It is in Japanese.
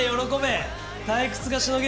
退屈がしのげるぞ。